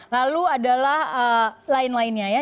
lalu adalah lain lainnya ya